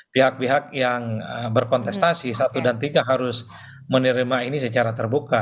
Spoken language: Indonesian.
pihak pihak yang berkontestasi satu dan tiga harus menerima ini secara terbuka